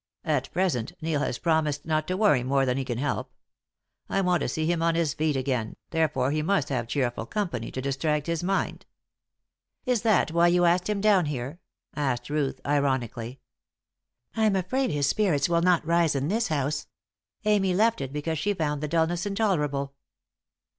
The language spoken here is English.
At present Neil has promised not to worry more than he can help. I want to see him on his feet again, therefore he must have cheerful company to distract his mind." "Is that why you asked him down here?" asked Ruth, ironically. "I am afraid his spirits will not rise in this house. Amy left it because she found the dulness intolerable."